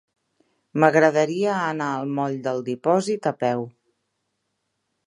M'agradaria anar al moll del Dipòsit a peu.